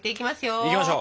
いきましょう！